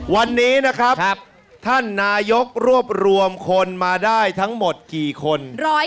วันนี้นะครับท่านนายกรวบรวมคนมาได้ทั้งหมดกี่คน